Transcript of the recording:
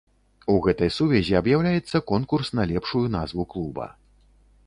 У гэтай сувязі аб'яўляецца конкурс на лепшую назву клуба.